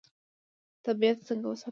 طبیعت څنګه وساتو؟